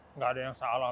tidak ada yang salah